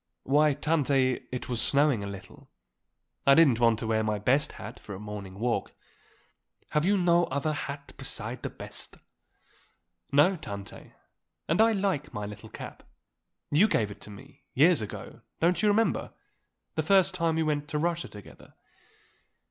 "Why, Tante, it was snowing a little; I didn't want to wear my best hat for a morning walk." "Have you no other hat beside the best?" "No, Tante. And I like my little cap. You gave it to me years ago don't you remember; the first time that we went to Russia together."